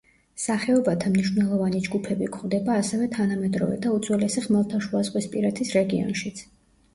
სახეობათა მნიშვნელოვანი ჯგუფები გვხვდება ასევე თანამედროვე და უძველესი ხმელთაშუაზღვისპირეთის რეგიონშიც.